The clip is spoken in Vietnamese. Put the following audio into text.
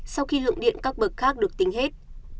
sau khi lượng điện các bậc khác được tính hết